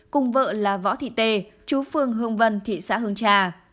cùng vợ là võ thị tê chú phương hương vân thị xã hương trà